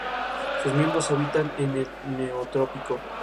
Sus miembros habitan en el neotrópico.